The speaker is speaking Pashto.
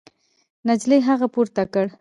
نجلۍ هغه پورته کړ.